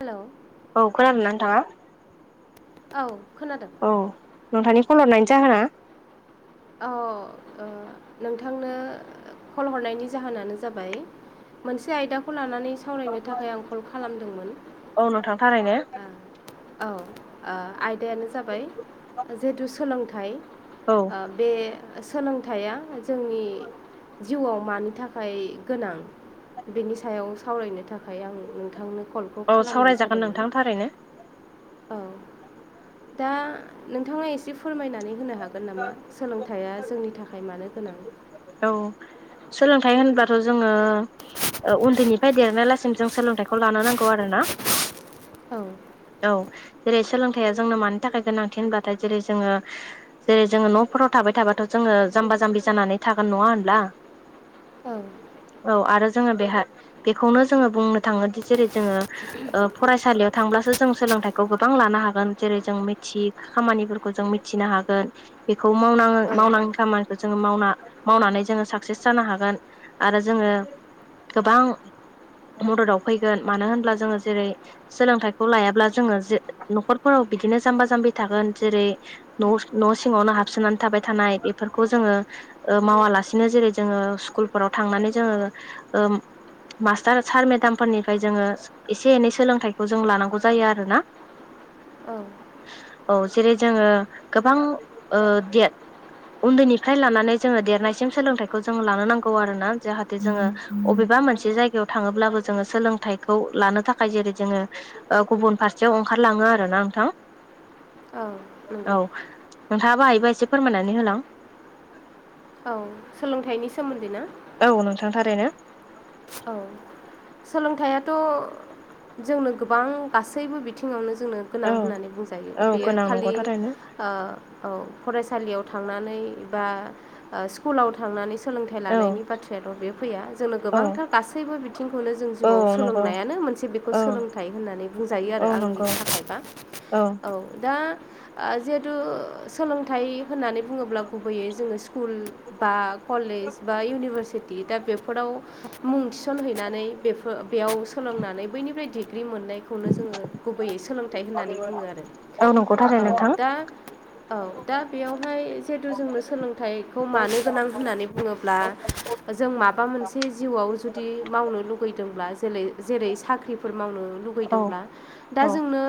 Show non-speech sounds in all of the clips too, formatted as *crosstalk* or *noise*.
Hello औ खोनादोंनानै थांङा औ खोनादों औ नोंथांनि खल हर नाय जाहोना अ नोंथांनो कल हरनायनि जाहोनानो जाबाय। मोनसे आयदाखौ लानानै सावरायनो थाखाय आं कल खालामदोंमोन। औ नोंथां थारैनो औ आयदायानो जाबाय जिहेथु सोलोंथाइ आ, बे सोलोंथाइया जोंनि जिउआव मानि थाखाय गोनां बेनि सायाव सावरायनो थाखाय आं नोंथांनो कलखौ औ खालामनाय सावरायजागोन जादोंमोन नोंथां थारैनो औ दा नोंथांङा एसे फोरमायना नानै होनो हागोन नामा सोलोंथाइया जोंनि थाखाय मानो गोनां औ सोलोंथाइ होनब्लाथ' जोंङो उन्दैनिफ्राय देरनाय लासिम जों सोलोंथाइखौ लानो नांगौ आरो ना औ जेरै सोलोंथाइया जोंनो म थाखाय गोनांथि होनबथाय जेरै जोंङो जेरै जोंङो न'फोराव थाबाय जाय थाबाथ' जोंङो जाम्ब जामबि जागोन नंङा होनब्ला औ औ आरो जोंङो बेहााय बेखौनो जोंङो बुंनो थाङोदि जेरै जोंङो फरायसालियाव थांब्लासो जों सोलोंथाइखौ गोबां लानो हागोन जेरै जों मि खामानिफोरखौ जों मिथिनो हागोन बेखौ मावङो औ मावनांगौ खामानिखौ जोङो मावना मावनानै जोंङो साक्सेस जानो हागोन आरो जोंङो गोबां मददाव फैगोन मानो होनब्ला जोंङो जेरै सोलोंथाइ खौ लायाब्ला जोंङो न'खरफोराव बिदिनो जाम्बा जाम्बि थागोन जेरै न' सिङावनो हो हाबसोनानै थाबाय थानाय बेफोरखौ जोंङो मावालासिनो जेरै जोंङो स्कुलफोराव थांनानै जोंङो मास्टार सार मेदामफोरनिफ्राय जोङो एसे एनै सोलोंथाइखौ जों लानांगौ जायो आरोना औ औ जेरै जोङो गोबां दे उन्दैनिफ्राय लानानै जोङो देरनायसिम सोलोंथाइखौ जोङो लानो नांगौ आरो ना जाहाथे जोङो अबेबा माबा मोनसे जायगायाव थाङोब्लाबो जोङो सोलोंथाइखौ लानो थाखाय जेरै जोङो गुबुन फारसेयाव ओंखारलाङो आरो ना नोंथां औ नंगौ नोंथाङा बाहायबा एसे फोरमायनानै होलां औ सोलोंथाइनि सोमोन्दै ना औ नोंथांथारैनो औ सोलोंथाइयाथ जोंनो गोबां गासैबो बिथिङावनो जोंनो गोनां औ होननानै बुंजायो औ बेयो गोनां नंगौ खालि थारैनो ओ औ फ सालियाव थांनानै बा स्कुलाव थांनानै सोलोंथाइ औ लानायनि बाथ्राया दं बे फैया जोंनो औ गोबां गासैबो बिथिंखौनो जों औ जिउआव नंगौ सोलोंनायानो मोनसे बेखौ औ सोलोंथाइ होननानै बुंजायो औ आरो आंनि नंगौ थाखायबा औ दा जिहेथु सोलोंथाइ होननानै बुङोब्ला गुबैयै जोङो स्कुल बा कलेज बा इउनिभारसिटि दा बेफोराव मुं थिसनहैनानै बे बेयाव सोलोंनानै बैनिफ्राय दि डिग्रि मोननायखौनो जोङो गुबैयै सोलोंथाइ होननानै बुङो आरो औ नंगौ थारै औ नोंथां दा औ दा बेयावहाय जिहेतु जोंनो सोलोंथाइखौ मानो गोनां होननानै बुङोब्ला जों माबा मोनसे जिउआव जुदि मावनो लुगैदोंब्ला जेरै जेरै साख्रिफोर मावनो औ लुुबैदोंब्ला दा औ जोंनो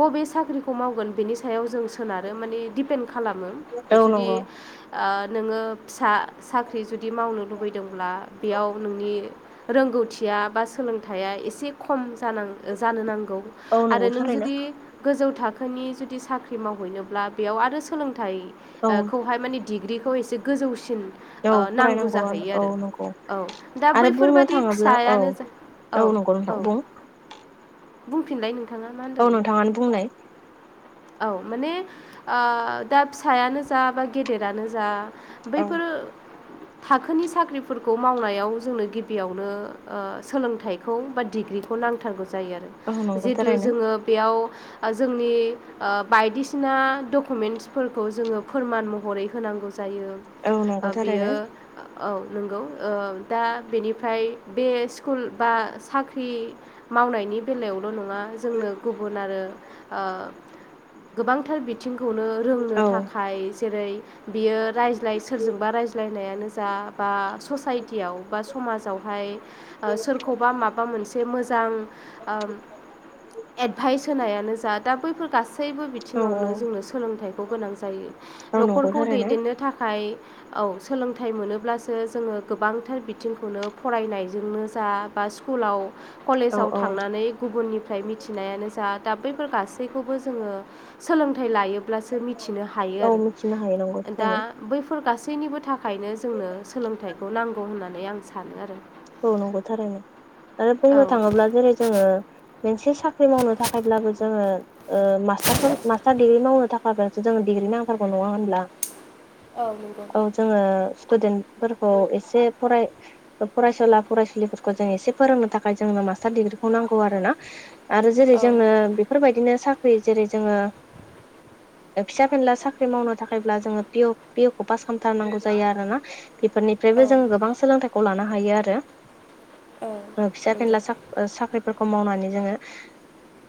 बबे साख्रिखौ मावगोन बिनि सायाव जों सोनारो माने दिपेन्ड खालामो औ जुदि नंगौ नोङो फिसा साख्रि जुदि मावनो लुबैयो बेयाव नोंनि रोंगौथिया बा सोलोंथ एसे ख जानो नांगौ औ आरो नंगौ नों थारैनो जुदि गोजौ थाखो थाखोनि जुदि साख्रि मावहैनोब्ला बेयाव आरो औ सोलोंथाइखौहाय माने डिग्रिखौ एसे गोजौसिन औ नांगौ फरायनांगौ जाहैयो औ आरो नंगौ औ दा आरो बुंनो बैफोरबादि थाङोब्ला औ फिसायानो जा औ नंगौ नोंथां औ बुं बुंफिनबाय नों औ नोंथाङानो बुंनाय औ माने दा फिसायानो जा बा गेदेरानो जा औ बैफोर थाखोनि साख्रिफोरखौ मावनायाव जोंनो गियावनो सोलोंथाइखौ बा दिग्रिखौ नांथारगौ जायो आरो औ नंगौ जिहेतु थारैनो जोङो बेयाव जोंनि बायदिसिना डकुमेन्टसफोरखौ जोङो फोरमान महरै होनांगौ जायो औ नंगौ थारैनो बेयो औ नंगौ दा बेनिफ्राय बे स्कुल बा साख्रि मावनायनि बेलायाव नङा जोंनो गुबुन आरो गोबांथार बिथि बिथिंखौनो रोंनो औ थाखाय जेरै बियो रायज्लाय सोरजोंबा रायज्लायनायानो जा बा ससाय बा समाजावहाय सोरखौबा माबा मोनसे मोजां एडभाइस होनायानो जा दा बैफोर गासैबो औ बिथिङावनो जोंनो सोलोंथाइखौ गोनां जायो औ नंगौ नखरखौ थारैनो दैदेननो थाखाय औ सोलोंथाइ मोनोब्लासो जोङो गोबांथार बिथिंखौनो फरायनायजोंनो जा बा स्कुलाव औ कलेजाव औ थांनानै गुबुननिफ्राय मिथिनायानो जा दा बैफोर गासैखौबो जोङो सोलोंथाइ लायोब्लासो मिथिनो हायो औ आरो मिथिनो हायो नंगौ दा थारैनो बैफोर गासैबो जेनिबो थाखायनो जोंनो सोलोंथाइखौ नांगौ होननानै आं सानो आरो औ नंगौ थारैनो आरो औ बुंनो थाङोब्ला जेरै जोङो मोनसे साख्रि साख्रि मावनो थाखायब्लाबो जोङो मास्टार मास्टार दिडग्रि मावनो थाखायस जोङो डिग्रि नांथारगौ नङा होनब्ला औ नंगौ औ जोङो स्टुदेन्टफोरखौ एसे फराय फरायसुला फरायसुलिफोरखौ जों एसे फोरोंनो थाखाय जोंनो मास्टार दिडिग्रिखौ नांगौ आरोना आरो जेरै औ जोङो बेफोरबायदिनो साख्रि जेरै जोङो फिसा फेनला साख्रि मावनो थाखायब्ला जोङो पिअ पिअ खौ पास खालामथारनांगौ जायो आरो ना बेफोरनिफ्रायबो जोङो गोबां सोलोंथायाइखौ लानो हायो आरो ओ फिसा नंगौ फेनला साख्रिफोरखौ मावनानै जोङो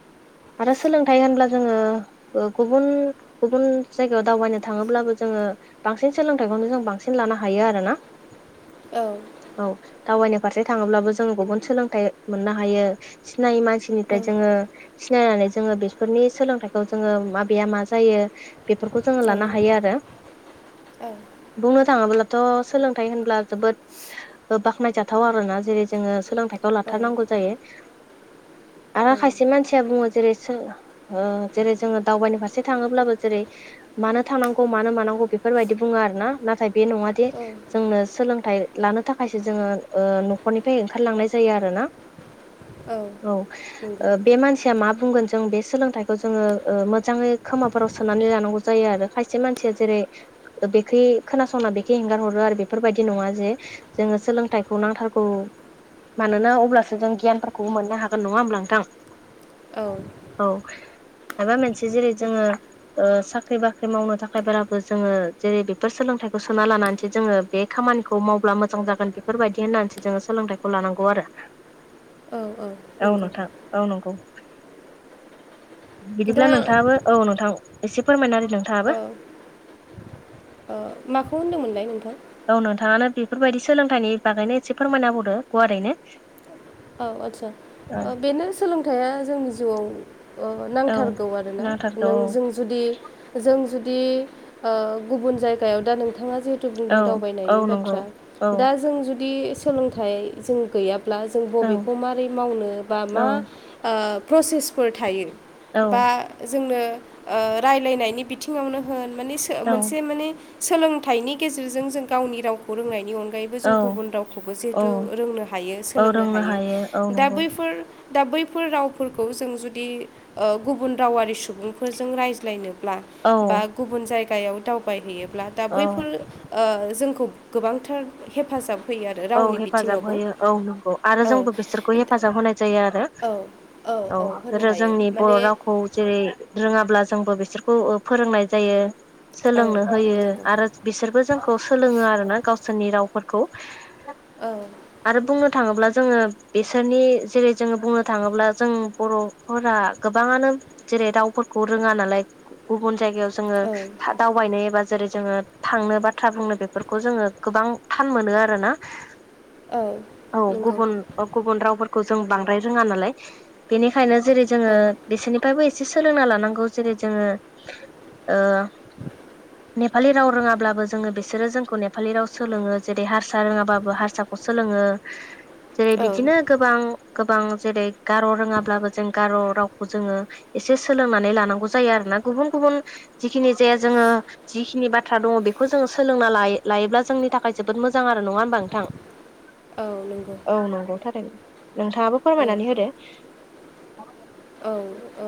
*inaudible* आरो सोलोंथाइ होनब्ला जोङो गुबुन गुबुन जायगायाव दावबायनो थाङोब्लाबो जोङो बांसिन सोलोंथाइखौनो जों बांसिन लानो हायो आरोना औ औ दावबायनो फारसे थाङोब्लाबो जों गुबुन सोलोंथाइ मोननो हायो सिनायै औ मानसिनिफ्राय जोङो सिनायनानै जोङो बेफोरनि सोलोंथाइखौ जोङो माबाया मा जायो बेफोरखौ जोङो लानो औ हायो आरो बुंनो थाङोब्ला थ' सोलोंथाइ होनब्ला जोबोद बाख्नाय जाथाव आरोना जेरै जोङो सोलोंथाइखौ औ लाथारनांगौ जायो आरो औ खायसे मानसिया बुङो जेरै ओ जेरै जोङो दावबायनो फारसे थाङोब्लाबो जेरै मानो थांनांगौ मानो मानांगौ बे बेफोरबायदि बुङो आरो ना नाथाय बे नङा दि औ जोंनो सोलोंथाइ लानो थाखायसो जोङो ओ न'खरनिफ्राय ओंखारलांनाय जायो आरो ना औ नंगौ ओ बे मानसिया मा बुंगोन जों बे सोलोंथाइखौ जोङो ओ मोजाङै खोमाफोराव सोनानै लानांगौ जायो आरो खायसे मानसिया जेरै बेखै खोनासंना बेखै एंगार हरो आरो बेफोरबायदि नङा जे जोङो सोलोंथाइखौ नांथारगौ मानोना अब्लासो जों गियानफोरखौबो मोननो हागोन नङा होमब्ला आ नोंथां औ औ माबा मोनसे जेरै जोङो ओ साख्रि बाख्रि मावनो थाखाय बाराबो जोङो जेरै बेफोर सोलोंथाइखौ सोना लानानैसो जोङो बे खामानि खामानिखौ मावब्ला मोजां जागोन बेफोरबायदि होननानैसो जोङो सोलोंथाइखौ लानांगौ आरो औ औ नंगौ नोथां औ नंगौ बिदिब्ला दा नोंथाङाबो औ नोंथां एसे फोरमायना नोंथाङाबो ओ माखौ होन्दोंमोनलाय नोंथां औ नोंथाङानो बेफोरबायदि सोलोंथाइनि बागैनो एसे फोरमायनाबौदो गुवारैनो औ आदसा औ बेनो सोलोंथाइया जोंनि जिउआव ओ औ नांथारगौ आरोना नांथारगौ नों जों जुदि जों जु दि ओ गुबुन जायगायाव दा नोंथाङाे जे थु बुंदों औ दावबायनायनि औ नंगौ बाथ्रा औ दा जों जुदि सोलोंथाइ जों गैयाब्ला जों औ बबेखौ मारै मावनो बा औ मा प्रसेसफोर थायो बा जोंनो ओ रायलायनायनि बिथिङावनो होन माने औ मोनसे माने सोलोंथाइनि गेजेरजों जों गावनि रावखौ रोंनायनि अनगा गायैबो जों औ गुबुन रावखौबो औ जिहेथु रोंनो हायो औ सोलोंनो रोंनो हायो औ दा नंगौ बैफोर दा बैफोर रावफोरखौ जों जुदि ओ गुबुन रावारि सुबुंफोरजों रायज्लायनो ब्ला औ बा गुबुन जायगायाव दावबायहैयोब्ला दा औ बैफोर ओ जोंखौ गोबांथार हेफाजाब होयो आरो औ रावनि हेफाजाब बिथिङावबो होयो औ नंगौ आरो औ जोंबो बिसोरखौ हेफाजाब होनाय जायो आरो औ औ होनो आरो हायो जोंनि बर' माने रावखौ जेरै रोङाब्ला जोंबो बिसोरखौ फोरोंनाय जायो औ सोलोंनो होयो नंगौ आरो बिसोरबो जोंखौ सोलोङो आरोना गावसोरनि रावफोरखौ औ आरो बुंनो थाङोब्ला जोङो बिसोरनि जेरै जोङो बुंनो थाङोब्ला जों बर'फोरा गोबाङानो जेरै दावफोरखौ रोङा नालाय गुबुन जायगायाव जोङो औ दावबायनो एबा जेरै जोङो थांनो बाथ्रा बुंनो बेफोरखौ जोङो गोबां थान मोनो आरोना औ गुबुन गुबुन रावफोरखौ जों बांद्राय रोङा नालाय बेनिखायनो जेरै जोङो औ बिसोरनिफ्रायबो एसे सोलोंना लानांगौ जेरै जोङो नेपालि रोङाब्लाबो जोङो बिसोरो जोंखौ नेपालि राव सोलोङो जेरै हारसा रोङा बाबो हारसाखौ सोलोङो जेरै औ बिदिनो गोबां गोबां जेरै गार' रोङाब्लाबो जों गार' रावखौ जोङो एसे सोलोंनानै लानांगौ जायो आरो ना गुबुन गुबुन गुबुन जिखिनि जाया जोङो जिखिनि बाथ्रा दङ बेखौ जोङो सोलोंना लायोब्ला जोंनि थाखाय जों जोबोद मोजां आरो नङा होमबा नोंथां औ नंगौ औ नंगौ थारैनो नोंथाङाबो फोरमायनानै होदो औ ओ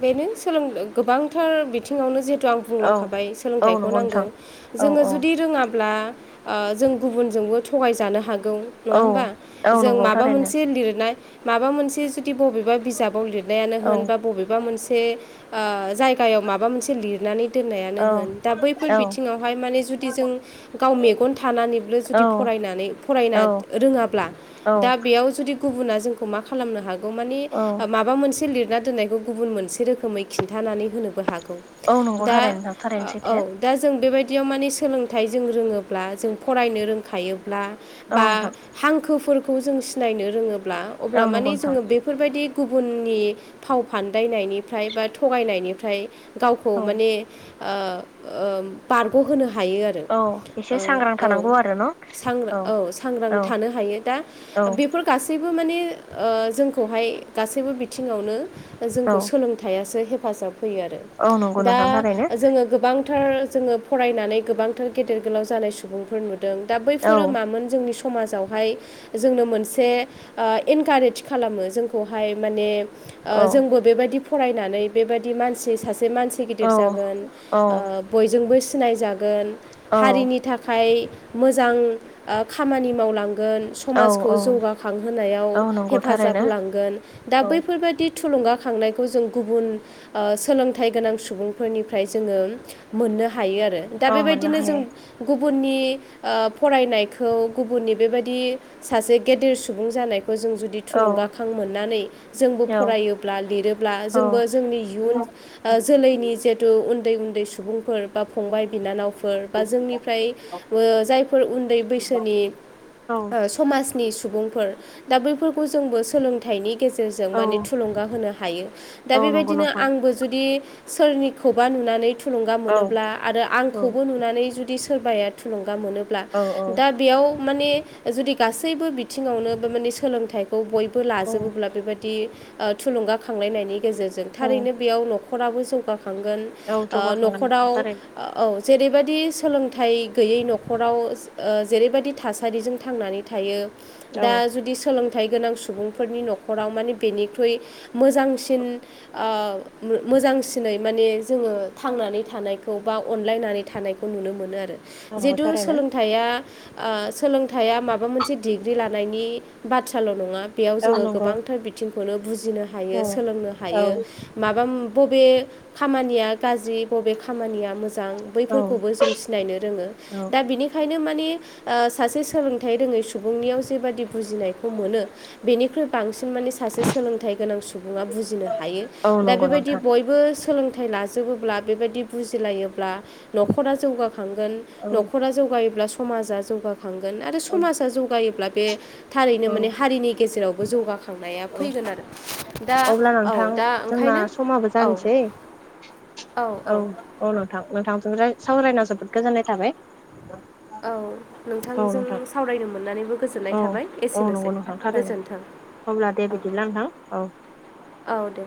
बेनो सोलों गोबांथार बिथिङावनो जे आं औ बुंलांखाबाय औ सोलोंथाइखौ नंगौ नांगौ नोंथां औ जोङो औ जुदि रोङाब्ला जों गुबुनजोंबो थगायजानो हागो औ नङाहोमबा औ जों नंगौ माबा थारैनो मोनसे लिरनाय माबा मोनसे जों बबेबा बाव लिरनायानो औ होन बा बबेबा मोनसे जायगायाव माबा मोनसे लिरनानै दोननायानो औ होन दा बैफोर औ बिथिङावहाय माने जुदि जों गाव मेगन थानानैबो औ जुदि फराय फरायनो औ रोङाब्ला औ दा बेयाव जुदि गुबुना जोंखौ मा खालामनो हागौ माने माबा मोनसे लिरना दोन्नायखौ गुबुन मोनसे रोखोमै खिन्थानानै होनोबो हागो औ नंगौ दा थारैनो नोंथां थारैनो औ सैथो दा जों बेबायदि बिदियाव माने सोलोंथाइ जों रोङोब्ला जों फरायनो रोंखायोब्ला औ बा नोंथां हांखोफोरखौ जों सिनायनो रोङोब्ला औ अब्ला नंगौ माने नोंथां जोङो बेफोरबायदि गुबुननि फाव फानदायनायनिफ्राय बा थगायनायनिफ्राय गावखौ औ माने बारग'होनो हायो आरो औ एसे सांग्रां औ थानांगौ आरो न' औ सांग्रां औ थानो हायो दा औ बेफोर गासैबो माने जोंखौहाय गासैबो बिथिङावनो औ जोंखौ सोलोंथाइयासो हेफाजाब होयो आरो औ नंगौ दा नोंथां थारैनो जोङो गोबां गोबांथार जोङो फरायनानै गोबांथार गेदेर गोलाव जानाय सुबुंफोर नुदों दा औ बैफोरो मामोन जोंनि समाजावहाय जोंनो मोनसे इनकारेज खालामो जोंखौहाय माने औ जोंबो बेबायदि फरायनानै बेबायदि मानसि सासे से मानसि गिदिर औ जागोन औ बयजोंबो सिनायजागोन औ हारिनि थाखाय मोजां खामानि मावलाङ गोन औ समाजखौ औ जौगाखांहोनायाव औ नंगौ हेफाजाब थारैनो होलांगोन दा औ बैफोरबायदि थुलुंगा खांनायखौ जों गुबुन सोलोंथाइ गोनां सुबुंफोरनिफ्राय जोङो मोननो हा हायो आरो दा औ मोननो बेबायदिनो जों हायो गुबुननि फरायनायखौ गुबुननि बेबायदि सासे गेदेर सुबुं जानायखौ खौ जों जुदि औ थुलुंगा मोननानै जोंबो औ फरायोब्ला लिरोब्ला औ जोंबो जोंनि इयुन जोलैनि जे उन्दै उन्दै सुबुंफोर बा फंबाय बिनानाव बा जोंनिफ्राय जायफोर उन्दै बैसोनि औ समाज नि सुबुंफोर दा बैफोरखौ जोंबो सोलोंथाइनि गेजेरजों औ माने थुलुंगा होनो हायो दा औ नंगौ बेबायदिनो नोंथां आंबो जुदि सोरनिखौबा नुनानै थुलुंगा औ मोनोब्ला आरो औ आंखौबो नुनानै जुदि सोरबाया थुलुंगा गा मोनोब्ला औ दा बेयाव माने जुदि गासैबो बिथिङावनो माने सोलोंथाइखौ बयबो औ लाजोबोब्ला बेबायदि बि थुलुंगााखांलायनायनि गेजेरजों औ थारैनो बेयाव नखराबो जौगा खांगोन औ जौगाखांगोन न'खराव थारैनो औ जेरैबायदि सोलोंथाइ गैयै न'खराव जेरैबायदि थासारिजों थांनानै थायो दा औ जुदि सोलोंथाइ गोनां सुबुं सुबुंफोरनि न'खराव माने बेनिख्रुयइ मोजांसिन मोजांसिन माने जोङो थांनानै थानायखौ बा अनलायनानै थानायखौ नुनो मोनो आरो नंगौ जिहेथु थारैनो सोलोंथाइया सोलोंथाइया माबा मोनसे डिग्रि लानायनि बाथ्राल' नङा बेयाव औ जोङो नंगौ गोबांथार बिथिंखौनो बुजिनो हायो औ सोलोंनो औ हायो माबा बबे खामानिया गाज्रि बबे खामानिया मोजां औ बैफोरखौबो जों सिनायनो रोङो औ दा बिनिखायनो नो माने सासे सोलोंथाइ रोङै सुबुंनियाव जेबादि बुजिनायखौ मोनो बेनिख्रुइ बांसिन माने सासे सोलोंथाइ गोनां सुबुङा बुजिनो हायो औ दा नंगौ बेबायदि नोंथां बयबो सोलोंथाइ सोलोंथाइ लाजोबोब्ला बेबायदि बुजिलायोब्ला न'खरा जौगाखांगोन औ न'खरा जौगायोब्ला समाजा जौगागोन गोन आरो औ समाजा जौगायोब्ला बे थारैनो माने हारिनि गेजेरावबो जौगाखांनाया औ फैगोन आरो दा अब्ला औ नोंथां दा जोंना ओंखायनो समाबो औ जानोसै औ औ नोंथां नोंथांजों सावरायना जोबोद गोजोननाय थाबाय औ औ नोंथांजों नोंथां सावरायनो मोननानैबो गोजोननाय औ थाबाय औ एसेनोसै नंगौ नोंथां थारैनो गोजोन्थों अब्ला दे औ बिदिब्ला नोंथां औ औ दे